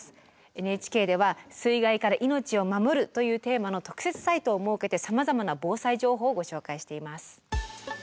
ＮＨＫでは「水害から命を守る」というテーマの特設サイトを設けてさまざまな防災情報をご紹介しています。